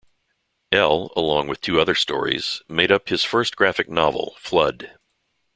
"L", along with two other stories, made up his first graphic novel, "Flood!